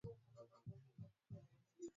kuthibitisha tuhuma hizo ila hali aghalabu